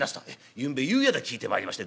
「ゆんべ湯屋で聞いてまいりまして」。